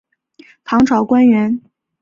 唐朝官员。